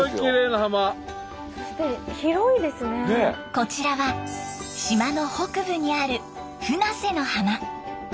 こちらは島の北部にある船瀬の浜。